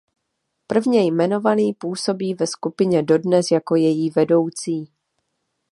Prvně jmenovaný působí ve skupině dodnes jako její vedoucí.